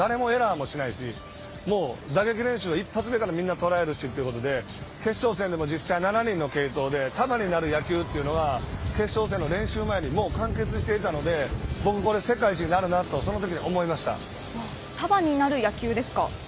誰もエラーをしないし打撃練習は１発目からみんな捉えるしということで決勝戦でも実際７人の継投になるというのは決勝戦の練習前に完結していたので今後世界一になるなとそのとき思いました。